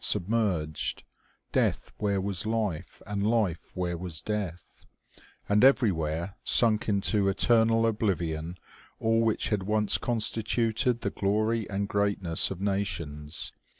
submerged ; death where was life, and life where was death ; and everywhere sunk into eternal oblivion all which had once constituted the glory and greatness of nations.